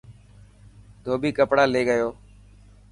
ڌوٻي ڪپڙا لي گيو.